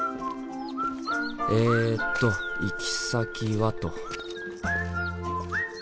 えと行き先はと。